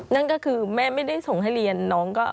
นั่นก็คือแม่ไม่ได้ส่งให้เรียนน้องก็